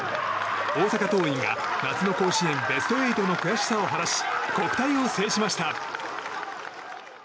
大阪桐蔭が夏の甲子園ベスト８の悔しさを晴らし国体を制しました。